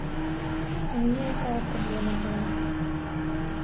У мяне якая праблема была?